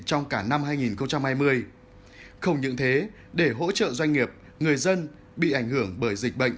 trong cả năm hai nghìn hai mươi không những thế để hỗ trợ doanh nghiệp người dân bị ảnh hưởng bởi dịch bệnh